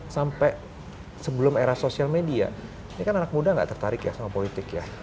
sampai sebelum era sosial media ini kan anak muda gak tertarik ya sama politik ya